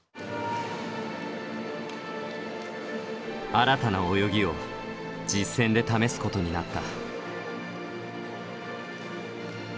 新たな泳ぎを実戦で試すことになった。